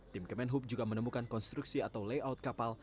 tim kemenhub juga menemukan konstruksi atau layout kapal